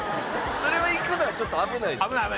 それをいくのはちょっと危ないですよね？